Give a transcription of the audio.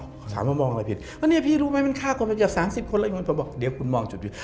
ว่าเนี่ยพี่รู้มั้ยมันฆ่าคนประกอบ๓๐คนแล้วแล้วมันบอกเดี๋ยวคุณมองจุดวิจัย